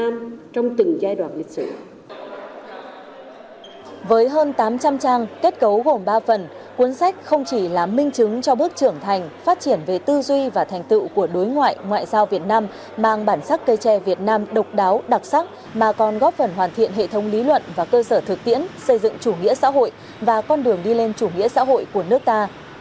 một bài viết có minh chứng cho bước trưởng thành phát triển về tư duy và thành tựu của đối ngoại ngoại giao việt nam mang bản sắc cây tre việt nam độc đáo đặc sắc mà còn góp phần hoàn thiện hệ thống lý luận và cơ sở thực tiễn xây dựng chủ nghĩa xã hội và con đường đi lên chủ nghĩa xã hội của nước ta